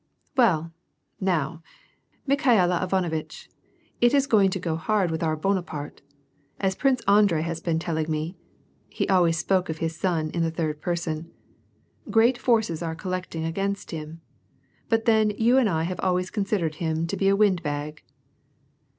"Well, now, Mikhaila Ivanovitch, it is going to go hard with our Bonaparte. As Prince Andrei has been telling me (he always spoke of his son in the third person), great forces are collecting against him. But then you and I have always considered him to be a wind bag."